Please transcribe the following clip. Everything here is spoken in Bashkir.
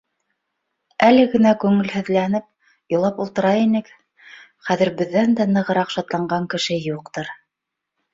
Әле генә күңелһеҙләнеп, илап ултыра инек, хәҙер беҙҙән дә нығыраҡ шатланған кеше юҡтыр.